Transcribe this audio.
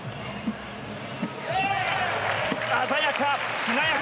鮮やか！